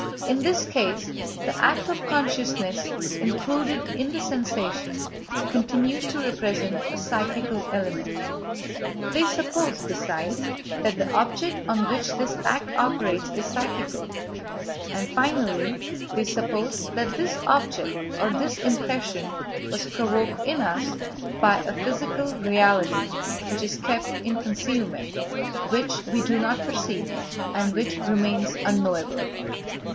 In this case, the act of consciousness, included in the sensation, continues to represent a psychical element. They suppose, besides, that the object on which this act operates is psychical; and finally, they suppose that this object or this impression was provoked in us by a physical reality which is kept in concealment, which we do not perceive, and which remains unknowable.